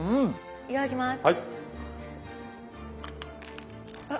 いただきます。